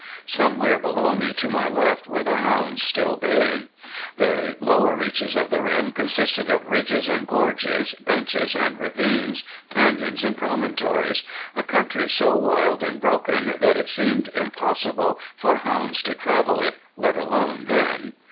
Somewhere below me to my left were the hounds still baying. The lower reaches of the rim consisted of ridges and gorges, benches and ravines, canyons and promontories a country so wild and broken that it seemed impossible for hounds to travel it, let alone men.